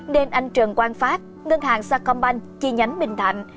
nên anh trần quang phát ngân hàng sacombank chi nhánh bình thạnh